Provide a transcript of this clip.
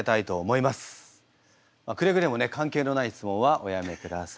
くれぐれもね関係のない質問はおやめください。